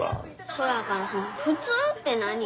そやからその普通って何？